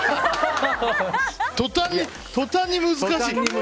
途端に難しい。